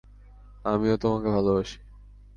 আমিও তোমাকে ভালবাসি।